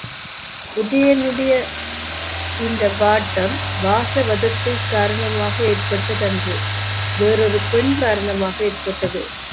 உதயணனுடைய இந்த வாட்டம் வாசவதத்தை காரணமாக ஏற்பட்டதன்று வேறோரு பெண் காரணமாக ஏற்பட்டது.